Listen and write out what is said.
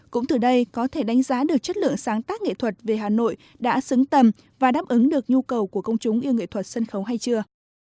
cũng từ đây có thể đánh giá được chất lượng sáng tác nghệ thuật về hà nội đã xứng tầm và đáp ứng được nhu cầu của công chúng yêu nghệ thuật sân khấu hay chưa